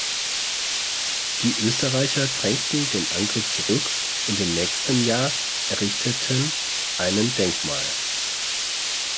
Die Österreicher drängten den Angriff zurück und im nächsten Jahr errichteten einen Denkmal.